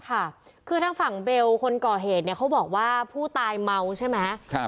ค่ะคือทางฝั่งเบลคนก่อเหตุเนี่ยเขาบอกว่าผู้ตายเมาใช่ไหมครับ